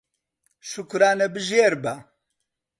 شوکرانەبژێر بە